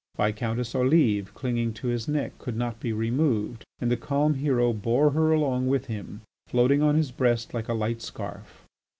Viscountess Olive, clinging to his neck, could not be removed, and the calm hero bore her along with him, floating on his breast like a light scarf.